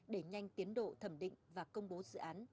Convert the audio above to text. để nhanh tiến độ thẩm định và công bố dự án